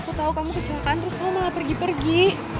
aku tau kamu kecelakaan terus lo malah pergi pergi